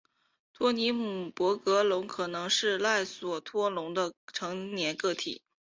斯托姆博格龙可能是赖索托龙的成年个体。